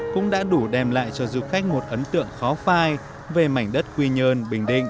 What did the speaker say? cũng đã đủ đem lại cho du khách một ấn tượng khó phai về mảnh đất quy nhơn bình định